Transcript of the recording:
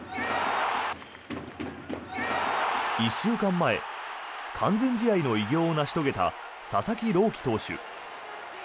１週間前、完全試合の偉業を成し遂げた佐々木朗希投手。